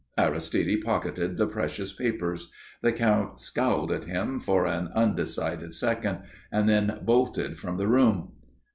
Aristide pocketed the precious papers. The Count scowled at him for an undecided second, and then bolted from the room.